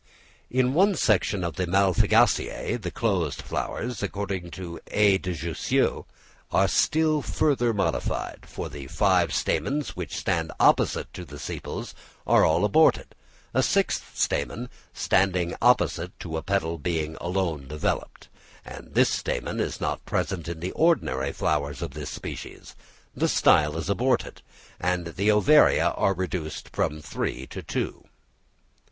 In one section of the Malpighiaceæ the closed flowers, according to A. de Jussieu, are still further modified, for the five stamens which stand opposite to the sepals are all aborted, a sixth stamen standing opposite to a petal being alone developed; and this stamen is not present in the ordinary flowers of this species; the style is aborted; and the ovaria are reduced from three to two.